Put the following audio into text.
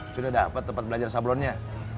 sudah dapat tempat belajar sablonnya